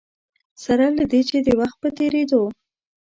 سره له دې چې د وخت په تېرېدو.